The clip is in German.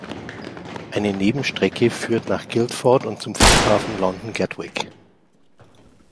Eine Nebenstrecke führt nach Guildford und zum Flughafen London-Gatwick.